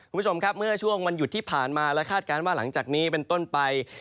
คุณผู้ชมครับเมื่อช่วงวันหยุดที่ผ่านมาและคาดการณ์ว่าหลังจากนี้เป็นต้นไป